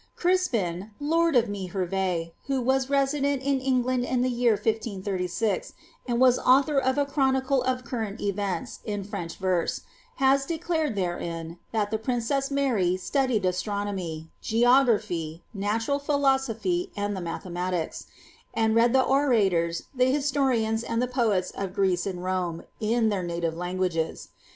Crispin, lord of Mihervef who was resident in England in the year 1536, and was author of a chronicle of current events, in French verse, has declared thereiiii tbi the princess Mary studied astronomy, geography, natural philosophy, and the mathematics ; and read the orators, the historians, and the potfi of Greece and Rome, in their native languages.